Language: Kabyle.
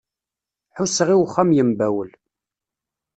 Ḥusseɣ i uxxam yembawel.